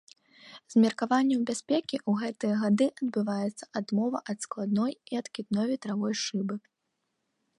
З меркаванняў бяспекі ў гэтыя гады адбываецца адмова ад складной і адкідной ветравой шыбы.